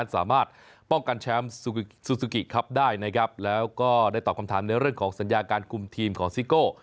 ซูซูกิครับได้นะครับแล้วก็ได้ตอบคำถามในเรื่องของสัญญาการกลุ่มทีมของซิโก้